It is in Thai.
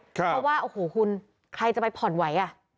เพราะว่าโอ้โหคุณใครจะไปผ่อนไหว